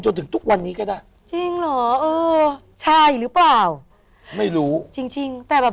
จนถึงทุกวันนี้ก็ได้จริงเหรอเออใช่หรือเปล่าไม่รู้จริงจริงแต่แบบ